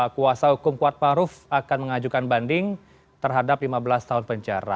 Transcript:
kuasa hukum kuat maruf akan mengajukan banding terhadap lima belas tahun penjara